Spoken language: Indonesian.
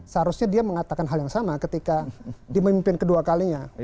seharusnya dia mengatakan hal yang sama ketika di memimpin kedua kalinya